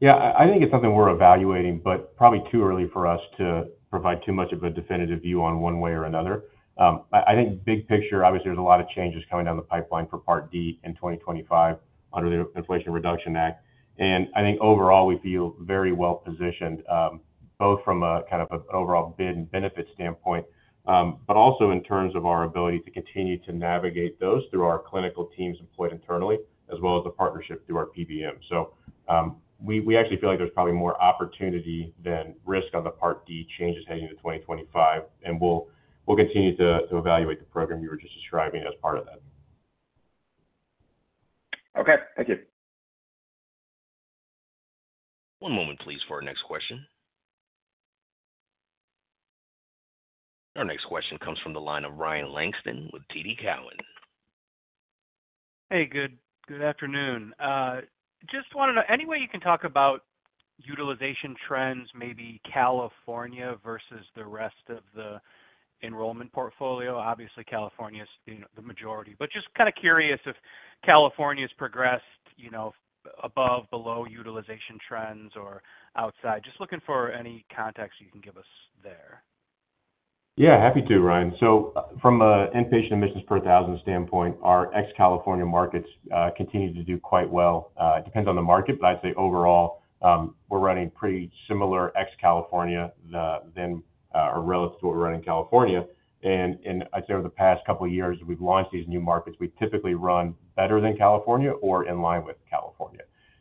C: Yeah. I think it's something we're evaluating, but probably too early for us to provide too much of a definitive view on one way or another. I think big picture, obviously, there's a lot of changes coming down the pipeline for Part D in 2025 under the Inflation Reduction Act. And I think overall, we feel very well-positioned, both from a kind of an overall bid and benefit standpoint, but also in terms of our ability to continue to navigate those through our clinical teams employed internally, as well as the partnership through our PBM. So we actually feel like there's probably more opportunity than risk on the Part D changes heading into 2025. And we'll continue to evaluate the program you were just describing as part of that. Okay. Thank you.
A: One moment, please, for our next question. Our next question comes from the line of Ryan Langston with TD Cowen.
K: Hey, good afternoon. Just want to know, any way you can talk about utilization trends, maybe California versus the rest of the enrollment portfolio? Obviously, California is the majority. But just kind of curious if California has progressed above, below utilization trends or outside. Just looking for any context you can give us there.
C: Yeah, happy to, Ryan. So from an inpatient admissions per 1,000 standpoint, our ex-California markets continue to do quite well. It depends on the market, but I'd say overall, we're running pretty similar ex-California than or relative to what we're running in California. And I'd say over the past couple of years, as we've launched these new markets, we typically run better than California or in line with California.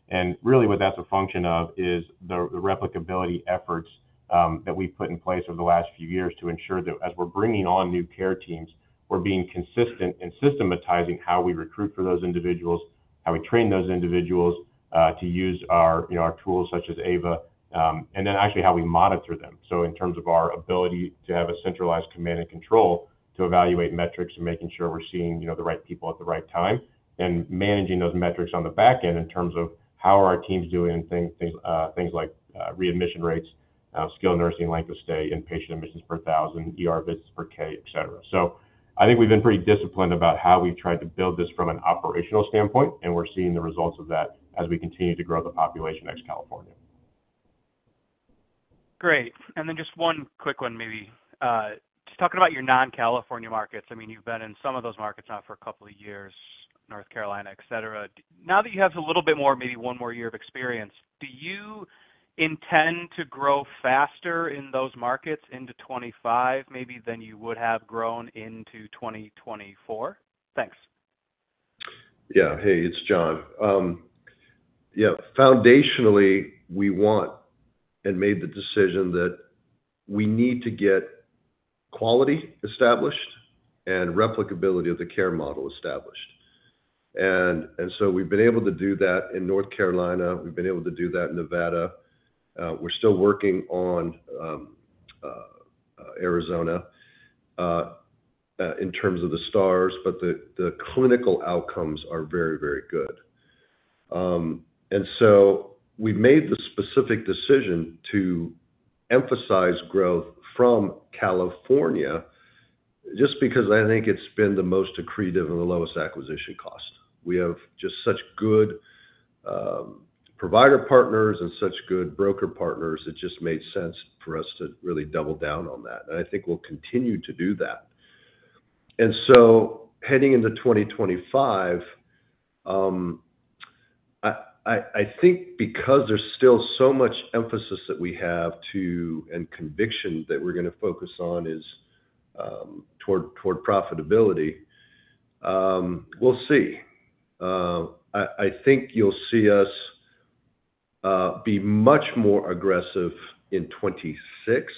C: And really, what that's a function of is the replicability efforts that we've put in place over the last few years to ensure that as we're bringing on new care teams, we're being consistent in systematizing how we recruit for those individuals, how we train those individuals to use our tools such as AVA, and then actually how we monitor them. So in terms of our ability to have a centralized command and control to evaluate metrics and making sure we're seeing the right people at the right time and managing those metrics on the back end in terms of how are our teams doing and things like readmission rates, skilled nursing, length of stay, inpatient admissions per 1,000, visits per K, etc. So I think we've been pretty disciplined about how we've tried to build this from an operational standpoint, and we're seeing the results of that as we continue to grow the population ex-California.
K: Great. And then just one quick one, maybe. Just talking about your non-California markets, I mean, you've been in some of those markets now for a couple of years, North Carolina, etc. Now that you have a little bit more, maybe one more year of experience, do you intend to grow faster in those markets into 2025 maybe than you would have grown into 2024? Thanks.
B: Yeah. Hey, it's John. Yeah. Foundationally, we want and made the decision that we need to get quality established and replicability of the care model established. And so we've been able to do that in North Carolina. We've been able to do that in Nevada. We're still working on Arizona in terms of the stars, but the clinical outcomes are very, very good. And so we've made the specific decision to emphasize growth from California just because I think it's been the most accretive and the lowest acquisition cost. We have just such good provider partners and such good broker partners that it just made sense for us to really double down on that. And I think we'll continue to do that. Heading into 2025, I think because there's still so much emphasis that we have to and conviction that we're going to focus on is toward profitability, we'll see. I think you'll see us be much more aggressive in 2026.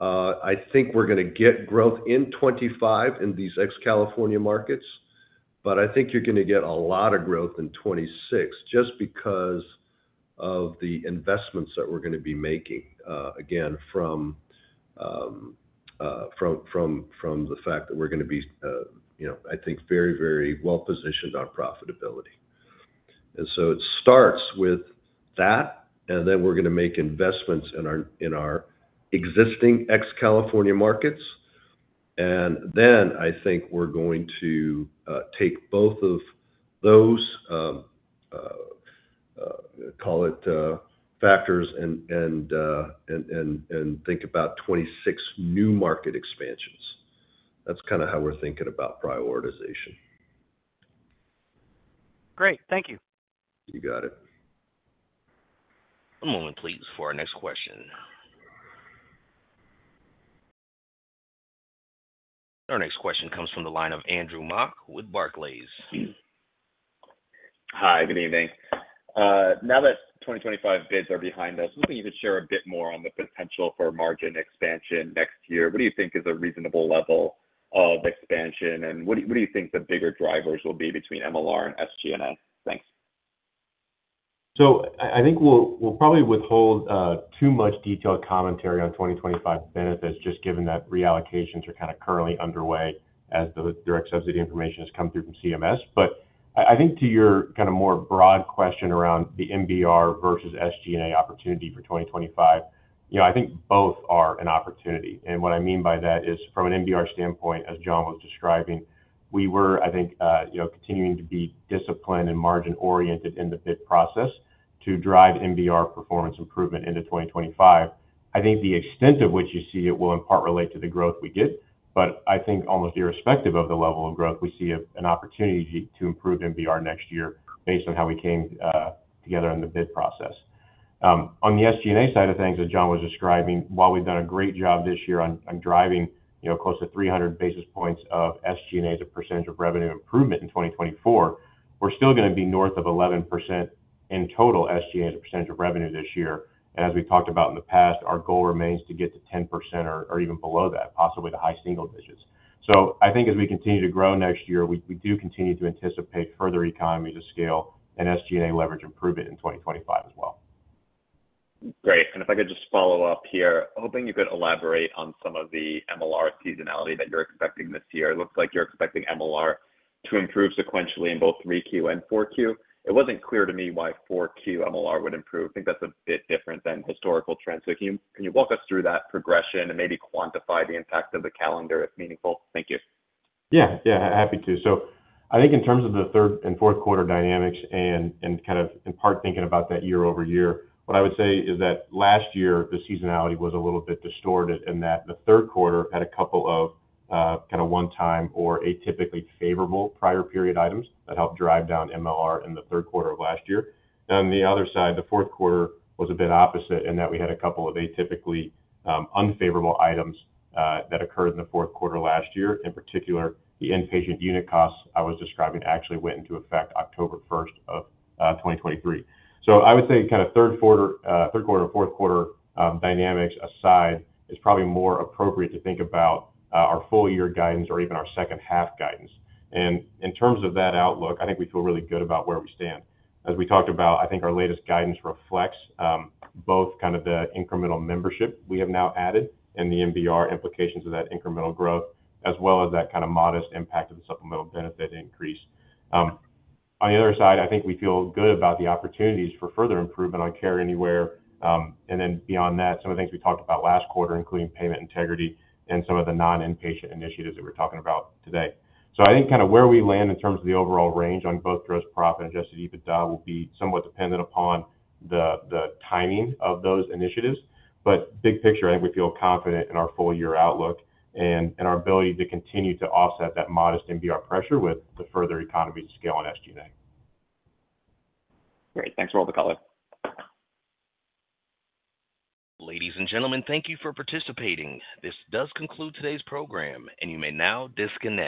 B: I think we're going to get growth in 2025 in these ex-California markets, but I think you're going to get a lot of growth in 2026 just because of the investments that we're going to be making, again, from the fact that we're going to be, I think, very, very well-positioned on profitability. And so it starts with that, and then we're going to make investments in our existing ex-California markets. And then I think we're going to take both of those, call it factors, and think about 2026 new market expansions. That's kind of how we're thinking about prioritization.
D: Great. Thank you.
B: You got it.
A: One moment, please, for our next question. Our next question comes from the line of Andrew Mok with Barclays.
L: Hi, good evening. Now that 2025 bids are behind us, I'm hoping you could share a bit more on the potential for margin expansion next year. What do you think is a reasonable level of expansion, and what do you think the bigger drivers will be between MLR and SG&A? Thanks.
C: So I think we'll probably withhold too much detailed commentary on 2025 benefits just given that reallocations are kind of currently underway as the direct subsidy information has come through from CMS. But I think to your kind of more broad question around the MBR versus SG&A opportunity for 2025, I think both are an opportunity. And what I mean by that is from an MBR standpoint, as John was describing, we were, I think, continuing to be disciplined and margin-oriented in the bid process to drive MBR performance improvement into 2025. I think the extent of which you see it will in part relate to the growth we get, but I think almost irrespective of the level of growth, we see an opportunity to improve MBR next year based on how we came together in the bid process. On the SG&A side of things, as John was describing, while we've done a great job this year on driving close to 300 basis points of SG&A as a percentage of revenue improvement in 2024, we're still going to be north of 11% in total SG&A as a percentage of revenue this year. And as we talked about in the past, our goal remains to get to 10% or even below that, possibly the high single digits. So I think as we continue to grow next year, we do continue to anticipate further economies of scale and SG&A leverage improvement in 2025 as well.
L: Great. If I could just follow up here, hoping you could elaborate on some of the MLR seasonality that you're expecting this year. It looks like you're expecting MLR to improve sequentially in both 3Q and 4Q. It wasn't clear to me why 4Q MLR would improve. I think that's a bit different than historical trends. Can you walk us through that progression and maybe quantify the impact of the calendar if meaningful? Thank you.
C: Yeah. Yeah. Happy to. So I think in terms of the third and fourth quarter dynamics and kind of in part thinking about that year-over-year, what I would say is that last year, the seasonality was a little bit distorted in that the third quarter had a couple of kind of one-time or atypically favorable prior period items that helped drive down MLR in the third quarter of last year. And on the other side, the fourth quarter was a bit opposite in that we had a couple of atypically unfavorable items that occurred in the fourth quarter last year. In particular, the inpatient unit costs I was describing actually went into effect October 1st of 2023. So I would say kind of third quarter and fourth quarter dynamics aside is probably more appropriate to think about our full-year guidance or even our second-half guidance. In terms of that outlook, I think we feel really good about where we stand. As we talked about, I think our latest guidance reflects both kind of the incremental membership we have now added and the MBR implications of that incremental growth, as well as that kind of modest impact of the supplemental benefit increase. On the other side, I think we feel good about the opportunities for further improvement on Care Anywhere. Beyond that, some of the things we talked about last quarter, including payment integrity and some of the non-inpatient initiatives that we're talking about today. I think kind of where we land in terms of the overall range on both gross profit and Adjusted EBITDA will be somewhat dependent upon the timing of those initiatives. But big picture, I think we feel confident in our full-year outlook and our ability to continue to offset that modest MBR pressure with the further economies of scale on SG&A.
L: Great. Thanks for all the color.
A: Ladies and gentlemen, thank you for participating. This does conclude today's program, and you may now disconnect.